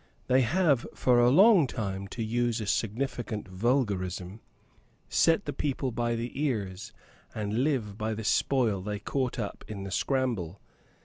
They have for a long time, to use a significant vulgarism, set the people by the ears, and live by the spoil they caught up in the scramble.